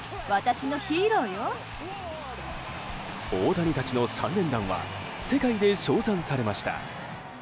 大谷たちの３連弾は世界で称賛されました。